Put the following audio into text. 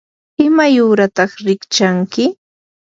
¿imay uurataq rikchanki?